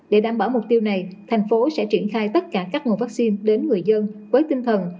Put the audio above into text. để đảm bảo mục tiêu này thành phố sẽ triển khai tất cả các nguồn vaccine đến người dân với tinh thần